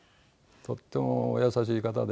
とってもお優しい方で。